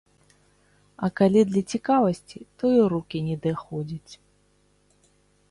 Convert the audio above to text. А калі для цікавасці, то і рукі не даходзяць.